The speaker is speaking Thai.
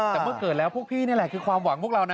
แต่เมื่อเกิดแล้วพวกพี่นี่แหละคือความหวังพวกเรานะ